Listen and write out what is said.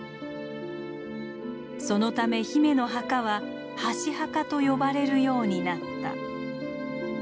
そのためヒメの墓は「箸墓」と呼ばれるようになった。